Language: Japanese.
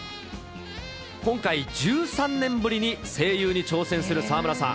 今回、１３年ぶりに声優に挑戦する沢村さん。